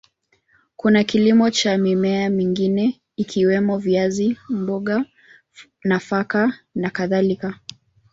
Kuna kilimo cha mimea mingine ikiwemo viazi, mboga, nafaka na kadhalika.